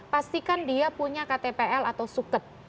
pastikan dia punya ktpl atau suket